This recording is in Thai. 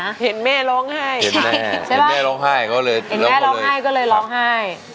เห็นแม่ร้องไห้เห็นไหมเห็นแม่ร้องไห้เขาเลยเห็นแม่ร้องไห้ก็เลยร้องไห้